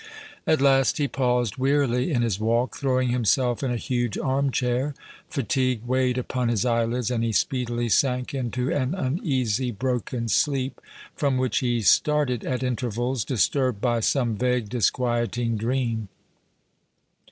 At last he paused wearily in his walk, throwing himself in a huge arm chair; fatigue weighed upon his eyelids and he speedily sank into an uneasy, broken sleep, from which he started at intervals, disturbed by some vague, disquieting dream.